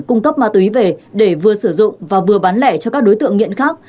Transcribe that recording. cung cấp ma túy về để vừa sử dụng và vừa bán lẻ cho các đối tượng nghiện khác